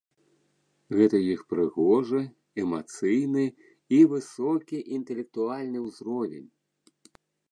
Гэта іх прыгожы, эмацыйны і высокі інтэлектуальны ўзровень.